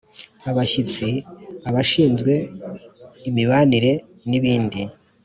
Abashyitsi abashinzwe imibanire n ibindi